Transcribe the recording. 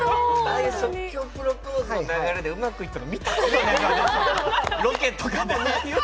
ああいう即興プロポーズでうまくいったこと見たことない。